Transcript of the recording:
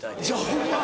ホンマ